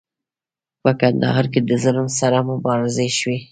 په کندهار کې د ظلم سره مبارزې شوي.